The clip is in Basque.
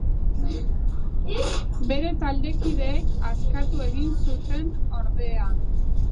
Bere taldekideek askatu egin zuten, ordea.